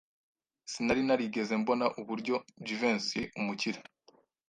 Sinari narigeze mbona uburyo Jivency yari umukire.